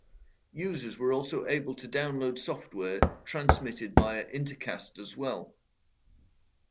Users were also able to download software transmitted via Intercast as well.